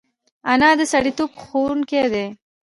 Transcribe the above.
انا د سړیتوب ښوونکې ده